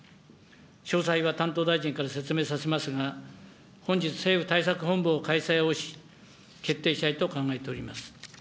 詳細は担当大臣から説明させますが、本日、政府対策本部を開催をし、決定したいと考えております。